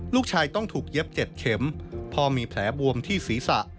ลูกชายต้องถูกเย็บ๗เข็มพ่อมีแผลบวมที่ศีรษะ